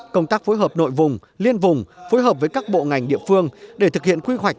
công tác phối hợp nội vùng liên vùng phối hợp với các bộ ngành địa phương để thực hiện quy hoạch